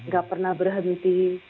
gak pernah berhenti